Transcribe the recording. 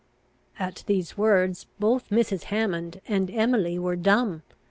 At these words both Mrs. Hammond and Emily were dumb.